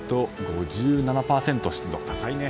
５７％湿度、高いね。